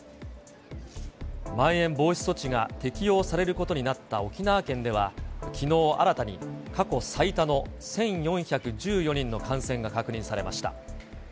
まん延防止措置が適用されることになった沖縄県では、きのう新たに過去最多の１４１４人の感染が確認されました。